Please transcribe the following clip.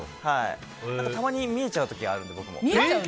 たまに、見えちゃう時があるので僕も。